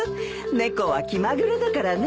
猫は気まぐれだからね。